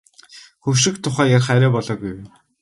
Хөгшрөх тухай ярих арай болоогүй байна.